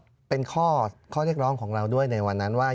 ก็เป็นข้อเรียกร้องของเราด้วยในวันนั้นว่า